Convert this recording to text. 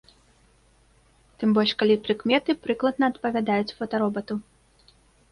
Тым больш, калі прыкметы прыкладна адпавядаюць фотаробату.